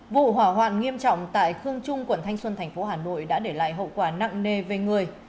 vụ hỏa hoạn nghiêm trọng tại khương trung quận thanh xuân thành phố hà nội đã để lại hậu quả nặng nề về người